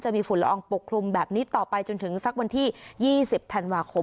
มีฝุ่นละอองปกคลุมแบบนี้ต่อไปจนถึงสักวันที่๒๐ธันวาคม